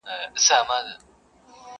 یو او دوه په سمه نه سي گرځېدلای،